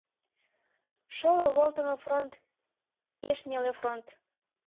Шоло волтымо фронт — пеш неле фронт.